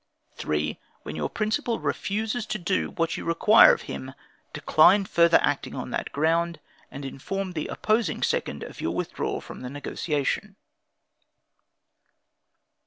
3. When your principal refuses to do what you require of hi, decline further acting on that ground, and inform the opposing second of your withdrawal from the negotiation.